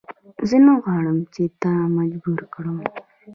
زه نه غواړم چې تا مجبور کړم.